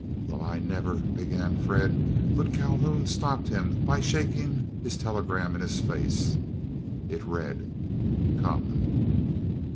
"Well, I never—" began Fred, but Calhoun stopped him by shaking his telegram in his face. It read: "Come.